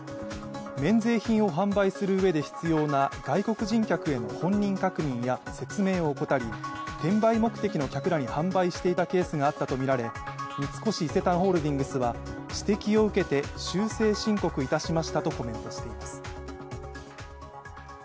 免税品を販売するうえで必要な外国人客への本人確認や説明を怠り、転売目的の客らに販売していたケースがあったとみられ三越伊勢丹ホールディングスは指摘を受けて修正申告いたしましたとコメントしています。